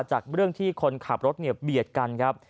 จากเรื่องที่คนขับรถเนี่ยเบียดกันครับ